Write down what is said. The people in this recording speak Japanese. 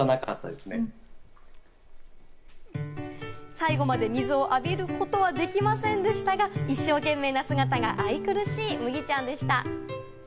最後まで水を浴びることはできませんでしたが、一生懸命な姿が愛くるしいむぎちゃんでした。